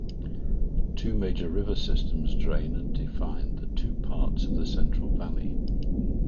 Two major river systems drain and define the two parts of the Central Valley.